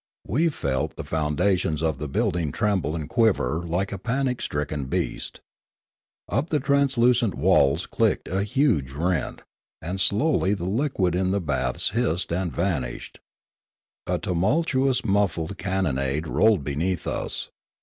We felt the foundations of the building tremble and quiver like a panic stricken beast. Up the translucent walls clicked a huge rent, and slowly the liquid in the baths hissed and vanished. A tumultuous muffled cannonade rolled beneath us.